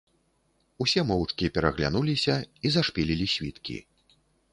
Усе моўчкі пераглянуліся і зашпілілі світкі.